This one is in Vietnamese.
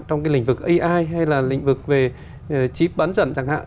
trong cái lĩnh vực ai hay là lĩnh vực về chip bán dẫn chẳng hạn